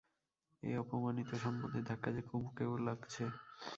এই অপমানিত সম্বন্ধের ধাক্কা যে কুমুকেও লাগছে।